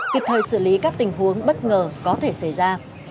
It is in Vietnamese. kịp thời xử lý các tình huống bất ngờ có thể xảy ra